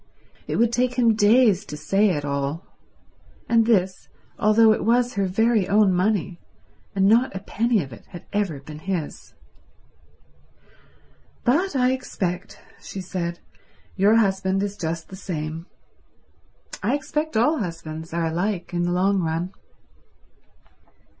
It would take him days to say it all; and this although it was her very own money, and not a penny of it had ever been his. "But I expect," she said, "your husband is just the same. I expect all husbands are alike in the long run."